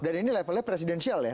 dan ini levelnya presidensial ya